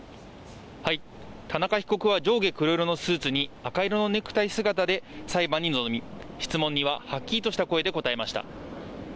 田中被告は上下黒色のスーツに、赤色のネクタイ姿で裁判に臨み、質問にははっきりとした声で答えました。